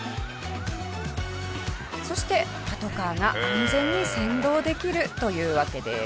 そしてパトカーが安全に先導できるというわけです。